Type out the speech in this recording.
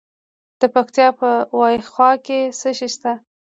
د پکتیکا په وازیخوا کې څه شی شته؟